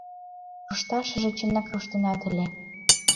Рушташыже, чынак, руштынат ыле.